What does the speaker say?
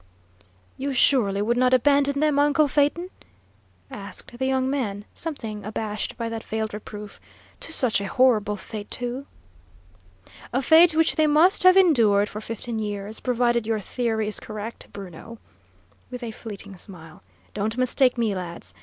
"You surely would not abandon them, uncle Phaeton?" asked the young man, something abashed by that veiled reproof. "To such a horrible fate, too?" "A fate which they must have endured for fifteen years, provided your theory is correct, Bruno," with a fleeting smile. "Don't mistake me, lads.